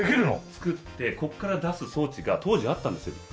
作ってここから出す装置が当時あったんですよ。